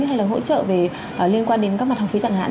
hay là hỗ trợ liên quan đến các mặt học phí chẳng hạn